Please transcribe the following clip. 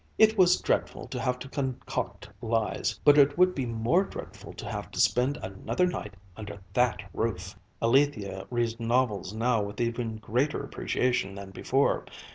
It was dreadful to have to concoct lies, but it would be more dreadful to have to spend another night under that roof. Alethia reads novels now with even greater appreciation than before.